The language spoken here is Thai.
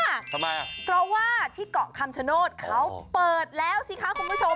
ทำไมอ่ะเพราะว่าที่เกาะคำชโนธเขาเปิดแล้วสิคะคุณผู้ชม